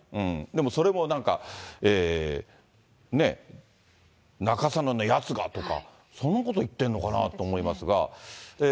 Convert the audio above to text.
でもそれも、なんか、中曽根のやつがとか、そんなこと言ってんのかなと思いますけどね。